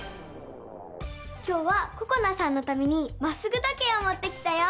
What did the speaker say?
今日はここなさんのためにまっすぐ時計をもってきたよ！